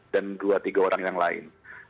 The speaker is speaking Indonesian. dan dua tiga orang yang lain